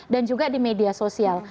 dan juga di media sosial